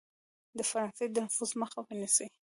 د فرانسې د نفوذ مخه ونیسي.